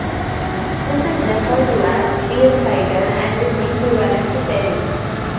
This is referred to as "pear cider," and is equivalent to perry.